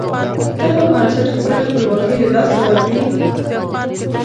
که دغه بنسټ خپله خپلواکي له لاسه ورکړي.